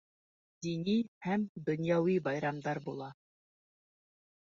Дини һәм донъяуи байрамдар була